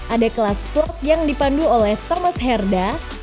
ada kelas port yang dipandu oleh thomas herda